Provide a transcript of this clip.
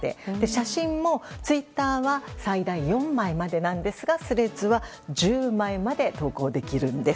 写真もツイッターは最大４枚までですがＴｈｒｅａｄｓは１０枚まで投稿できるんです。